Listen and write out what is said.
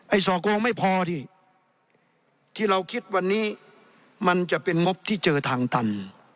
สอกลงไม่พอดิที่เราคิดวันนี้มันจะเป็นงบที่เจอทางตัน